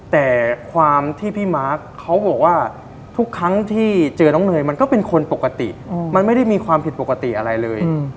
แต่ความที่พี่มาร์คเขาบอกว่าทุกครั้งที่เจอน้องเนยมันก็เป็นคนปกติมันไม่ได้มีความผิดปกติอะไรเลย